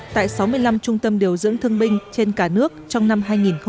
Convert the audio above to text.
tại sáu mươi năm trung tâm điều dưỡng thương binh trên cả nước trong năm hai nghìn hai mươi